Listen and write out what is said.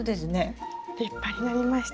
立派になりました。